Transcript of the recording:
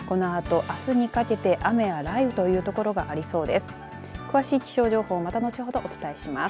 このあとあすにかけて雨や雷雨という所がありそうです。